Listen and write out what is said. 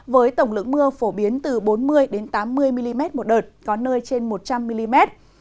với tổng lượng mưa phổ biến từ bốn mươi tám mươi mm một đợt có nơi trên một trăm linh mm